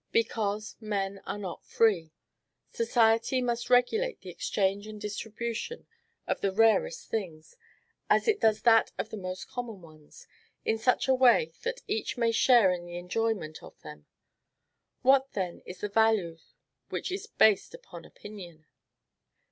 Because men are not free. Society must regulate the exchange and distribution of the rarest things, as it does that of the most common ones, in such a way that each may share in the enjoyment of them. What, then, is that value which is based upon opinion?